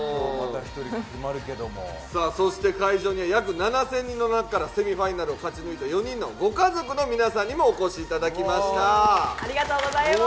そして会場には約７０００人の中からセミファイナルを勝ち抜いた４人のご家族の皆さんにもお越しいただきました。